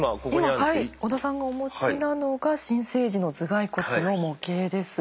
はい織田さんがお持ちなのが新生児の頭蓋骨の模型です。